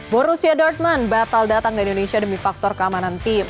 borussia dortman batal datang ke indonesia demi faktor keamanan tim